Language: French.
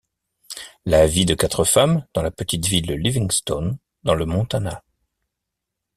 La vie de quatre femmes dans la petite ville de Livingston dans le Montana.